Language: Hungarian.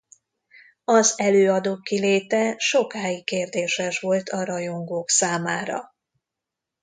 Az előadók kiléte sokáig kérdéses volt a rajongók számára.